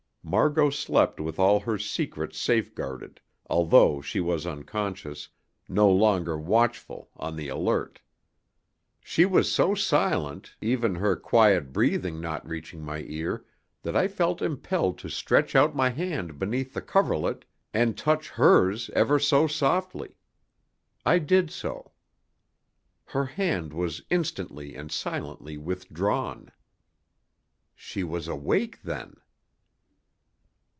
Margot slept with all her secrets safeguarded, although she was unconscious, no longer watchful, on the alert. She was so silent, even her quiet breathing not reaching my ear, that I felt impelled to stretch out my hand beneath the coverlet and touch hers ever so softly. I did so. Her hand was instantly and silently withdrawn. She was awake, then.